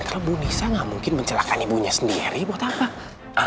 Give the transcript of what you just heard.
kalau bu nisa gak mungkin mencelakkan ibunya sendiri buat apa